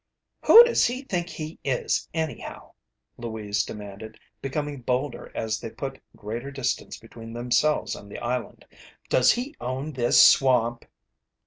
"Who does he think he is anyhow?" Louise demanded, becoming bolder as they put greater distance between themselves and the island. "Does he own this swamp?"